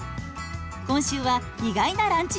今週は意外なランチ編。